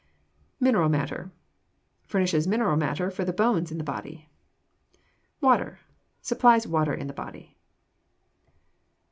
Mineral Matter Furnishes mineral matter for the bones in the body. Water Supplies water in the body.